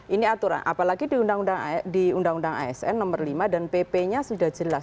ini aturan apalagi di undang undang asn nomor lima dan pp nya sudah jelas